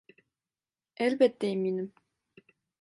Elbette eminim.